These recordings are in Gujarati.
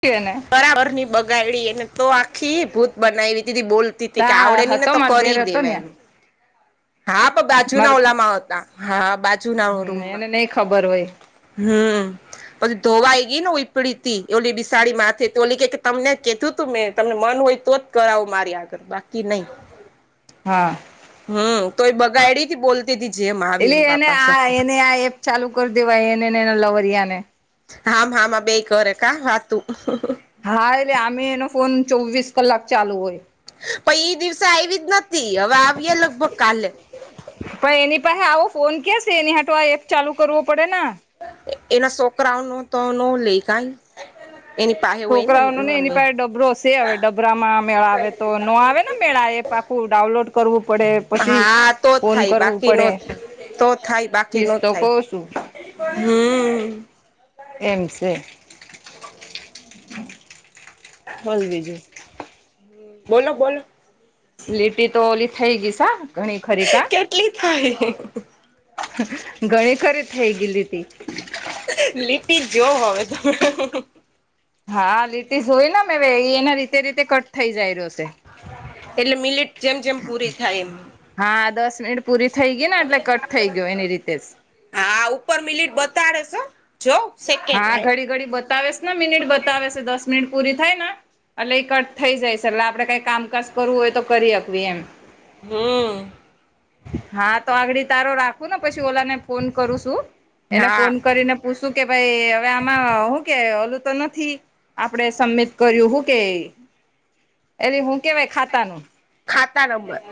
તેને બરાબર ની બગાાયડી એને. તો આખી ભૂત બનાવી તી બોલતી તી કે તા આવડે ની ને હતો તો માર કરી દેર હતો દેવા ને એ હા પણ બાજુ માર ના ઓલામાં હતા હા બાજુ ના રૂમમાં નહી ખબર હોય. હમ્મ. પછી ધોવાઈ ગઈ ને ઉપડી ઓલી બિસાડી માથે તો ઓલી કે તમને કીધું. તું મેં તમને મન હોય તો જ કરાવો મારી આગળ બાકી નહી. હા. હમ્મ તો એ બગાડી થી બોલતી હતી જેમ આવી એટલે એમ એને બાપાસ આ એને આ એપ ચાલુ કરી દેવાય એને એને લવર્યા ને હામ હામાં બે કરે કા વાતું હા એટલે અમે એનો ફોન ચોવીસ કલાક ચાલુ હોય પ ઈ દિવસે આવી જ નથી હવે આવીએ લગભગ કાલે પણ એની પાસે આવો ફોન ક્યાં છે એની હાટો આ એપ ચાલુ કરવો પડે એના છોકરાઓ નો તો ન લઈ કાય છોકરાઓ ન ને એની પાસે ડબરોશેે આવે ડબરામાં મેળ આવે તો નો આવે ને મેળ એપ આખું ડાઉનલોડ કરવું પડે પછી હા તો ફોન થાય કરવું બાકી નો પડે થાય તો થાય બાકી નો ફીસ તો કઉ થાય છું હમ એમ છે બોલ બીજું બોલો બોલો લીટી તો ઓલી થઈ ગઈ સા ઘણી ખરી કા કેટલી થઈ ઘણી ખરી થઈ ગયેલી તે લિપિ જોવ હવે તો હા લીટીસ હોય ને હવે એ એના રીતે રીતે કટ થઈ જાય રહ્યો છે એટલે મિલેટ હા દસ મિનિટ પૂરી થઈ ગઈ ને એટલે કટ થઈ ગયો એની રીતે જ હા ઉપર મિલિટ બતાડ છે. જો સેકન્ડ હા ઘડી ઘડી બતાવેસ ને મિનિટ બતાવે છે દસ મિનિટ પૂરી થાય ને એટલે ઇ કટ થઈ જાય છે એટલે આપડે કઈ કામકાજ કરવું હોય તો કરી હાંકવી એમ હમ્મ હા તો આગડી તારો રાખું ને પછી ઓલા ને ફોન કરું છું એને હા ફોન કરીને હ શું કે ભાઈ હવે આમાં હું કે ઓલું તો નથી આપડે સબમિટ કર્યું હું કે એલે હું કેવાય ખાતાનું ખાતા નંબર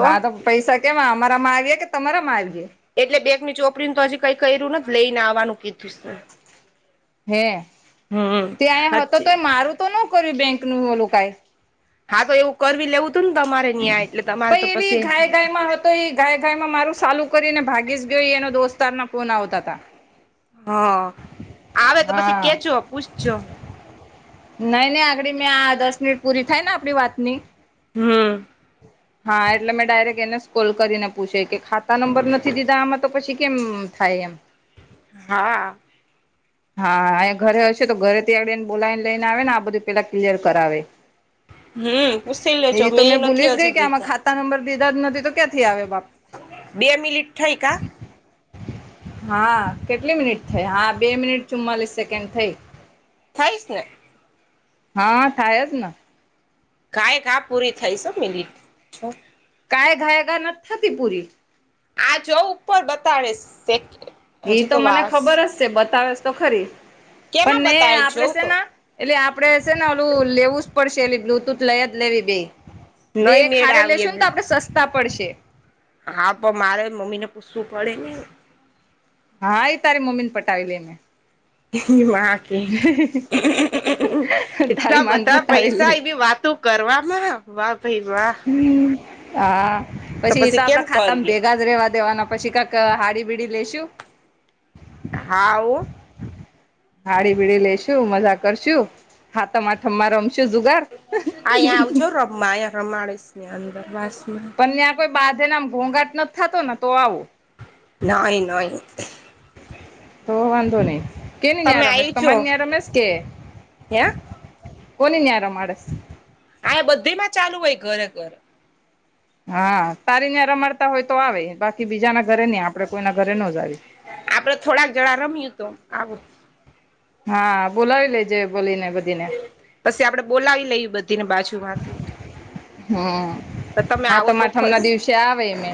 હા તો પૈસા કેમાં અમારા માં આવીયા કે તમારા માં આવીયા એટલે બેગ ની ચોપડી તો હજી કઈ કર્યું નથી લઈ ને આવવાનું કીધું છે હે હમ ત્યા હતો હજી તો મારું તો નો કર્યું બેંક નું ઓલું કાય હા તો એવું કરવી લેવું હતું ને તમારે ન્યાઆ એટલે તમારે તો પછી તો એ ઘાય ઘાય માં મારું સાલું કરીને ભાગી જ ગયો એ દોસ્તાર ના ફોન આવતા હતા હ આવે તો પછી હા કેજો પૂછજો નઈ નઈ આગડી મેં આ દસ મિનિટ પૂરી થાય ને આપડી વાત ની હમ્મ હા એટલે મેં ડાયરેક્ટ એને કોલ કરીને પૂછે કે ખાતા નંબર નથી દીધા આમાં તો પછી કેમ થાય એમ હા હા ઘરે હશે તો ઘરે ત્યાં એને બોલાવીને લઈ ને આવે ને આ બધું પેલા ક્લિયર કરાવે હમ્મ પુછી લેજો મેં એ નથી હજી નથી દીધા તારા નંબર દીધા જ નથી તો ક્યાંથી આવે બાપ બે મિનિટ થઈ કા હા કેટલી મિનિટ થઈ હા બે મિનિટ ચુમ્માલીસ સેકન્ડ થઈ થઈશ ને હા થાય જ ને કયા ઘા પૂરી થઈ છે મી કઈ ઘાય ગા નથી થતી પુરી આ જોઉ ઉપર બતાડે સે એ તો મને ખબર જ છે બતાવેસ તો ખરી પણ કેમાં ને બતાવે આપડે જોવ છે તો ને એટલે આપડે છે ને ઓલું લેવું જ પડશે એલી બ્લુટૂથ લઈ જ લેવી બેઈ બે નઈ એક મેળ હારે લેશું ને તો આવીએ આપડે સસ્તા પડશે હા પણ મારે મમ્મી ને પૂછવું પડે હા એ તારી મમ્મ ને પટાવી લે મે માં હ કે. તારી એટલા માન બધા પટાવી પૈસા લે એબી વાતો કરવામાં વાહ ભાઈ વા હા પછી એ તો કેમ આપડા ખાતામાં કરીએ ભેગા જ રેવા દેવાના પછી કંઈક હાડી-બીડી લઈેશુ હા ઓ હાડી-બીડી લઈસુ મજા કરશું સાતમ-આઠમ માં રમીશું જુગાર આ અહીંયા આવજો રમવા આયા રમાડેશે ની અંદરવાસમાં પણ ત્યાં કોઈ બાધેને આમ ઘોંઘાટ નથી થતો ને તો આવો નઈ નઈ તો વાંધો નહી કેને ત્યાં તમે રમેસે તમાર આવીજો ત્યાં રમેશ કે હે કોની ત્યાં રમાડે આયા બધી માં ચાલુ હોય ઘરે ઘરે હા તારી ત્યાં રમાડતા હોય તો આવે બાકી બીજા ના ઘરે નહી આપડે કોઈના ઘરે નો જાવી આપડે થોડાક જણા રમીએ તો આવું હા બોલાવી લેજે ઓલીને બધા પછી આપડણે બોલાવી લઈએ બધીને બાજુ માંથી હમ તમે આવો તો સાતમ-આઠમ ના ખરી દિવસે આવે ને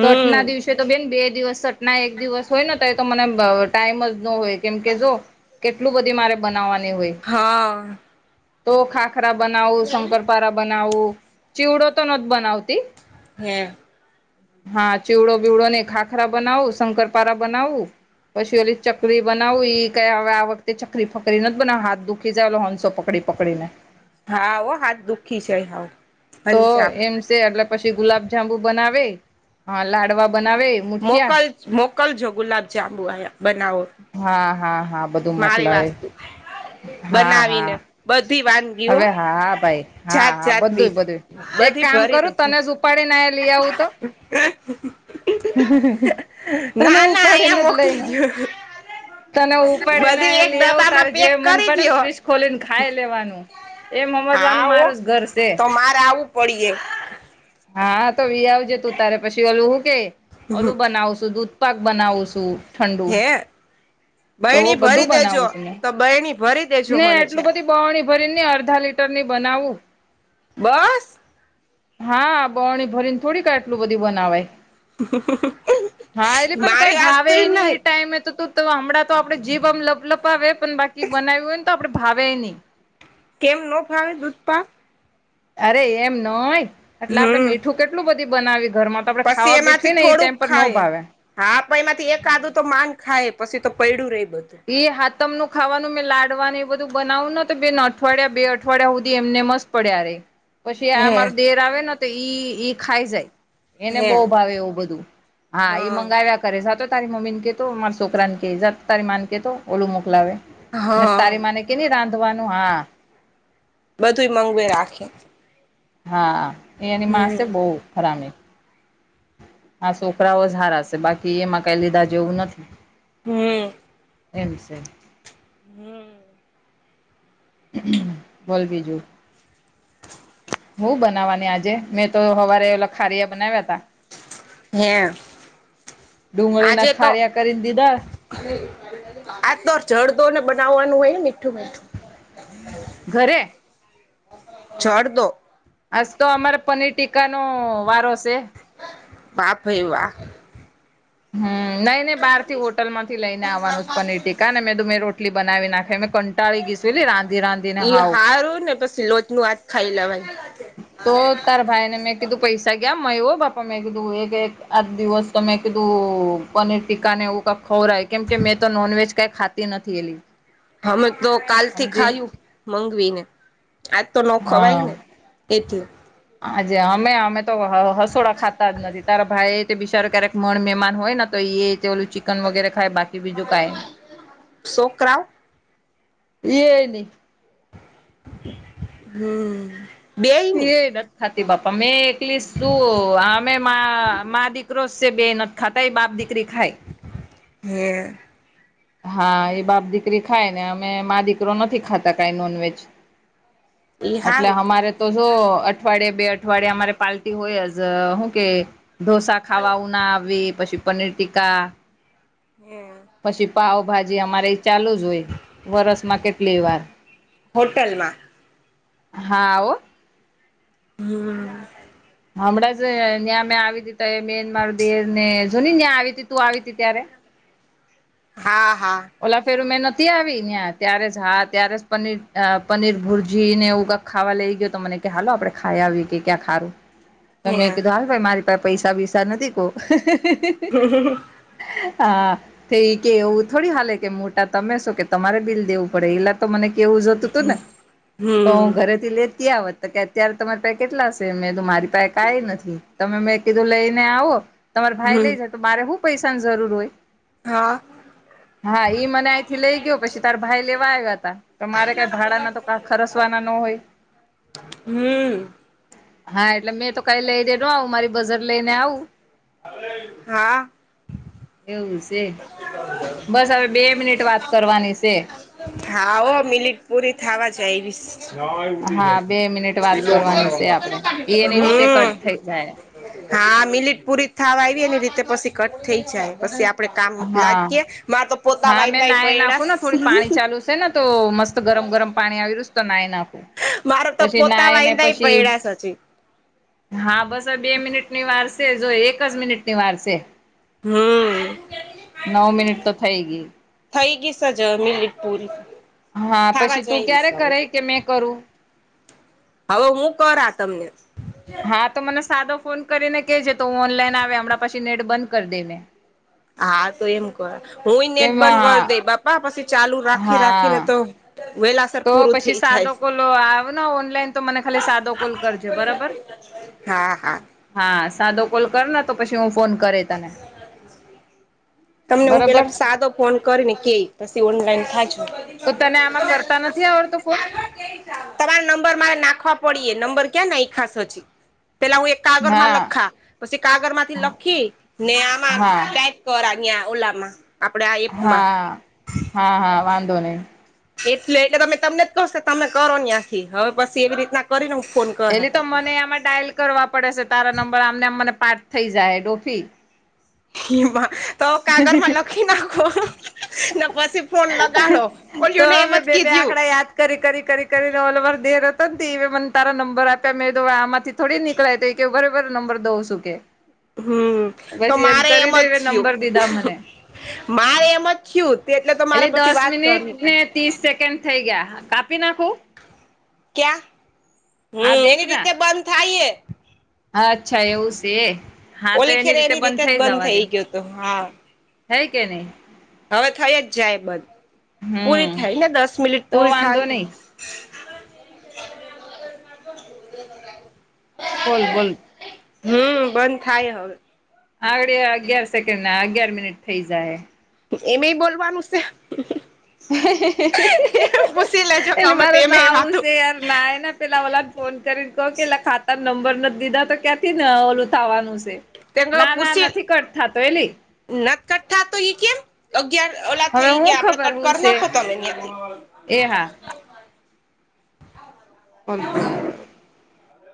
તો તો બેન બે દિવસ સટના એક દિવસ હોય ને તો મને ટાઈમ જ ન હોય કેમ કે જો કેટલું બધી મારે બનાવવાની હોય. હા તો ખાખરા બનાવું શક્કરપારા બનાવું ચેવડો તો નથી બનાવતી. હમ્મ. હા ચેવડો બેવડો નય ખાખરા બનાવું શક્કરપારા બનાવું. પછી ઓલી ચકરી બનાવું એ કઈ હવે આ વખતે ચકરી ફકરી નથી બનાવી હાથ દુઃખી જાય ઓલો હંચો પકડી પકડીને હા હો હાથ દુઃખી જાય હવ તો એમ છે એટલે પછી ગુલાબજાંબુ બનાવે હા લાડવા બનાવે મોકલ મુઠિયા મોકલજો ગુલાબજાંબુ આયા બનાવો હા હા હા બધું મારી મોકલાવે વાસ્તુ હા બનાવીને હા બધી વાં હવે હા ભાઈ હા હા બધું જ બધું જ એક બધી કામ ભરી કરું દેજો તને જ ઉપાડીને લઈ આવું તો [inaudible] તને ના ના ઉપાડીને અહીંયા જ લઈ મોકલી જાવ. દયો તને ઉપાડીને બધી અહીયા એક લઈ આવ ડબ્બામાં તારે જે પેક મન કરી પડે ને દયો ફ્રિશ ખોલીને ખાઈ લેવાનું. એમ હમજવાનું મારું જ ઘર છે પડી એ હા તો વી આવજે તું તારે પછી ઓલું શું કે ઓલું બનાવશું દૂધપાક બનાવું છું ઠંડુ. હે તો બહેણી બધું ભરી દેજો બનાવું છું મે તો બહેણી ભરી દેજો ને મને છે એટલું બધી બોણી બરણી અડધા લીટરની બનાવું. બસ હા બરણી ભરીને થોડીક આટલું બધી બનાવાય હા એટલે પણ કઈ મારી ભાવ વાસ્તુ નઈ નહી એ ટાઈમ તો તું તો હમણાં તો આપડે જીભ આમ લબ લબાવે પણ બાકી બનાવ્યું હોય ને તો આપડે ભાવે ની કેમ નો ફાવે દૂધપાક અરે એમ નય એટલે આપડે હમ મીઠું કેટલું બધી બનાવી ઘરમાં તો આપણે પછી ખાવા બેઠવી એમાંથી ને એ થોડુંક ટાઈમ પર નો ખાય ભાવે. હા પ એમાંથી એક આડું તો માન ખાય પછી તો પૈડું રે બધું. એ હાતમનું ખાવાનું મેં લાડવાનું એ બધું બનાવુંને તો બેન અઠવાડિયા બે અઠવાડિયા સુધી એમને મસ્ત- પડ્યા ર પછી આ હે અમારો દેર આવે ને તો ઈ ઈ ખાઈ જાય. એને હે બહુ ભાવે એવું બધું હા એ મંગાવ્યા- કરે જાતો તારી મમીન કે તો માર છોકરાન કે જા તારી માઁ ને કે તો ઓલું મોકલાવે- મે હા તારી માને કે ન રાંધવાનું હા- બધું એ મન્ગવે રાખે. હા એ એની માસે હમ બહુ હરામી. હા છોકરાઓ જ હારા છે બાકી એમાં કઈ લીધા જેવું નથી. હમ. એમ છે. હમ. બોલ બીજું! હું બનાવવાની આજે મેં તો હવારે ઓલા ખારીયા બનાવ્યા તા. હે ડુંગળીના આજે તો ખાર્યા કરીને દીધા- આ તો જડદો ને બનાવવાનું હોયને મીઠું મીઠું- ઘરે- જડદો? આજ તો અમારે પનીર ટીકા નો વારો સે. વાહ ભાઈ વાહ! હમ નહી નઈ બહારથી હોટલ માંથી લઈને આવવાનું પનીર ટીકા મેક મે રોટલી બનાવી નાખે- કંટાળી ગીશુ લી રાંધી રાંધિને હાવ. રોજ નું આજ ખાઈ લેવાય. તો તાર ભાઈને મેં કીધું પૈસા ગયા મ હો બાપા મેં કીધું એક એક આ દિવસ- તો મેં કીધું પનીર ટીકા ને એવું કક ખવરાય કેમ કે મેં તો નોનવેજ કઈ ખાતી નથી એલી. અમે તો કાલ થી હમજી ખાયું મનગવીને આજ તો નો ખવાય ને. એટલે. હજે અમે અમે તો હસોડા ખાતા જ નથી તારા ભાઈ તે બિચારો ક્યારેક મન મહેમાન હોય ને તો એ- તે ઓલું ચિકન વગેરે ખાય બાકી બીજું કઈ - શોકરાવ. એ ને - હમ બેય ની [unintelligible] બાપા મેં એકલી શું અમે મા માં દીકરો સે બે નથી- ખાતાય બાપ દીકરી ખાય- હે હા એ બાપ દીકરી ખાય ને અમે મા દીકરો નથી ખાતા કઈ નોનવેજ. ઈ એટલે હારું અમારે તો જો અઠવાડિયે બે અઠવાડિયે અમારે પાર્ટી હોય જ હું કે ઢોસા ખાવા ઉ ના આવે પછી પનીર ટીકા એમ? પછી પાવભાજી અમારે એ ચાલુ જ હોય વરસમાં કેટલી વાર. હોટલ માં- હા ઓ હમ્મ હમણાં જ ત્યાં મેં આવી દી ત એ મેનમાર દેને જો ત્યાં આવી તી તું આવી તી ત્યારે- હા હા. ઓલા ફેરું મેં નતી આવી નયા ત્યારે જ હા ત્યારે જ પનીર અ પનીર ભુરજી ને એવું- ખાવા લઈ ગયો તો મને કે હાલો આપડે ખાઈ આવીએ કે ક્યાં ખારું. હે તમે કીધું હાલ ભાઈ મારી પાસે પૈસા બીસા નથી કોહ. હા થ કે એવું થોડી હાલે કે મોટા તમે શો કે તમારે બિલ દેવું પડે એલા- તો મને કેવું જોતું તુને તો હમ હું ઘરે - લેતી આવત કે અત્યારે તમારા પાસે કેટલા હશે મેં કીધું મરી પાસે કાંઈ નથી તમે મેં કીધું લઈને આવો તમારા ભાઈ હમ લઈ જાય તો મારે હું પૈસાની જરૂર હોય હા હા ઈ મને અહીંથી લઈ ગયો પછી તારા ભાઈ લેવા આવ્યા હતા તમારે કઈ ભાડાના તો કા ખરસવાના ન હોય હમ હા એટલે મેં તો કઈ લઈ દે ન આવું મારી બજેટ લઈને આવું હા એવું છે [inaudible] બસ હવે બે મિનિટ વાત કરવાની છે હા ઓ મિનિટ પૂરી થવા જાવાઈશ હા બે મિનિટ વાત કરવાની છે આપડે એ [unintelligible] એની રીતે હમ્મ કટ થઈ જાય હા મિલીટ પુરી થવા આવીએ એ રીતે પછી કટ થઈ જાય પછી આપે કામ જ હા લાગીએ મારા તો પોતા હા મેં વાયંદા નાય પળ નાખું ને થોડી પાણી ચાલુ છે ને તો મસ્ત ગરમ ગરમ પાણી આવી રુસ તો ના એ ના મારો તો પોતા વાયંદા પૈડા્યાચ હા બસ બે મિનિટ ની વાર છે જો એક જ મિનિટ ની વાર છે હમ્મ નવ મિનિટ તો થઈ ગઈ થઈ ગી સજમીન લટ પૂરી હા થાવા પછી જ તું આઈવીસ ક્યારે હવે. કરે કે મેં કરું હવે હું કર આ તમને હા તો મને સાદો ફોન કરીને કે છે તો હ ઓનલાઈન આવે હમણાં પાછી નેટ બંધ કરી દેને હા તો એમ ક હું નેટ કેમ બંધ કરી હા દઈ બાપા પછી ચાલુ રાખી રાખીને હા તો વેલાસર તો પૂરું થઇ પછી જાય સાદો છે કોલ આવ ને ઓનલાઈન તો મને ખાલી સાદો કોલ કરજો બરાબર હા હા હા સાદો કોલ કરને તો પછી હું ફોન કર તને તમને હું બરોબર પેલા સાદો ફોન કરી ને કે પછી ઓનલાઈન થજો તો તને આમાં કરતા નથી આવડતો ફોન તમારા નંબર મારે નાખવા પડીએ નંબર ક્યા ને આ ખાાસોછી પેલા હું એક કાગળ માં હા લખા પછી કાગળ માંથી લખી ને આમાં હા કંઈક કરા નિયા ઓલા હા હા હા વાંધો નહી એટલે એટલે તમે તમને જ કહશો તમે કરો ને આખી હવે પછી એવી રીતના કરીને હું ફોન કરા એલી તો તમને મને આમાં ડાયલ કરવા પડે છે, તારા નંબર આમનેમ મને પાઠ થઈ જાય ડોફી માં તો કાગળ માં લખી નાખો ને પછી ફોન લગાડો તો કોલ્યું ને એમ જ મેં બે બે કીધું. આંકડા યાદ કરી કરી કરી કરીને ઓલર દેર હતો મને તારા નંબર આપ્યા મેં તો આમાંથી થોડી નીકળાય તો એ કે બરોબર નંબર દઉં શું કે. હમ્મ તો પછી મારે એમ કરીને જ એ થયું નંબર દીધા મને મારે એમ જ થયું. તે એટલે તો મારા પછી દસ વાત મિનિટ કરવી. ને ત્રીસ સેકન્ડ થઈ ગયા કાપી નાખું. ક્યા આ હમ્મ દેખ એની ના રીતે બંધ થાય એ અચ્છા એવું છે એ હા તો ઓલી એની ખેરે રીતે બંધ જ થઈ જવા દે ગયો હતો હા હે કે નહીં હવે થઈ જ જાય બધ પૂરી હમ થાય ને દસ મિનિટ તો પૂરી વાંધો થાય [inaudible] નહી બોલ બોલ હમ્મ બંધ થાય હવે. આળી અગિયાર સેકન્ડ ના અગિયાર મિનિટ થઇ જાય. એ મે બોલવાનું છે. પૂછી લેજો [unintelligible] કે એટલે અમે તો મારે એમે નવું વાતું છે યાર નયા ને પેલા ઓલા ને ફોન કરીને કહ કે એલા ખાતા નંબર નથી દીધા તો ક્યાંથી ને ઓલું થવાનું છે. તેમનો ના ના પૂછી નથી કટ થતો એલી નકટઠા તો ઈ કેમ. અગિયાર ઓલા હવે થઈ હું ગયા આપડે ખબર કટ હું કરી છે નાખો તમે અહિયાંથી. એ હા. અનપૂર્ણ કરો.